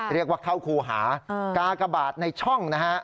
เรียกว่าเข้าครูหากากบาทในช่องนะฮะ